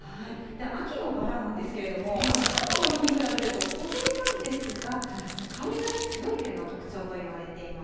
秋のばらなんですけども、春のものに比べると、小ぶりなんですが、香りが強いというのが特徴といわれています。